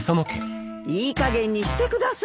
いいかげんにしてください。